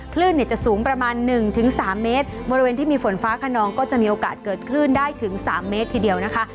คลื่นเนี่ยจะสูงประมาณ๑๓เมตรบริเวณที่มีฝนฟ้าขนองก็จะมีโอกาสเกิดคลื่นได้ถึง๓เมตรทีเดียวนะคะ